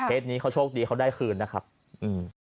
นี้เขาโชคดีเขาได้คืนนะครับอืม